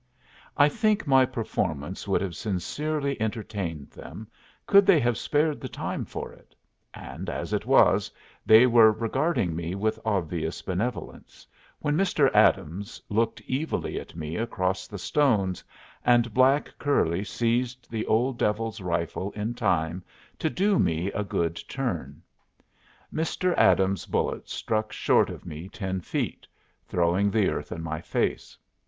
I think my performance would have sincerely entertained them could they have spared the time for it; and as it was, they were regarding me with obvious benevolence, when Mr. Adams looked evilly at me across the stones, and black curly seized the old devil's rifle in time to do me a good turn. Mr. Adams's bullet struck short of me ten feet, throwing the earth in my face.